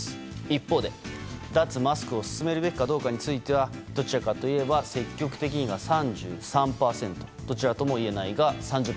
一方で脱マスクを進めるべきかどうかについてはどちらかといえば積極的には３３％どちらとも言えないが３０％。